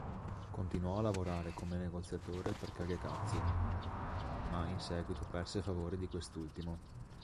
Continuò a lavorare come negoziatore per Kagekatsu, ma in seguito perse favore di quest'ultimo.